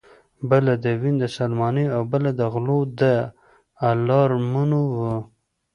بله د وین د سلماني او بله د غلو د الارمونو وه